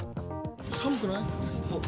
寒くない？